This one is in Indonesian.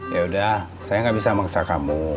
yaudah saya gak bisa mengaksa kamu